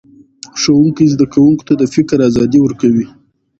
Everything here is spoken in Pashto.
ښوونکی زده کوونکو ته د فکر ازادي ورکوي